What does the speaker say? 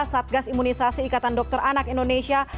satgas imunisasi ikatan dokter anak indonesia